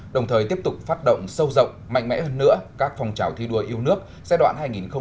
đồng thời tiếp tục phát động sâu rộng mạnh mẽ hơn nữa các phong trào thi đua yêu nước giai đoạn hai nghìn hai mươi hai nghìn hai mươi năm